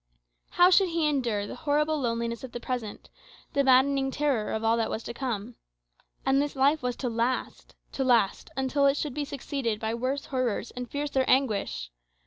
How should he endure the horrible loneliness of the present, the maddening terror of all that was to come? And this life was to last. To last, until it should be succeeded by worse horrors and fiercer anguish.